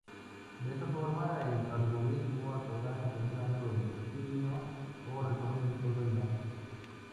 De esta forma, el algoritmo acabará encontrando el destino, o recorriendo todo el mapa.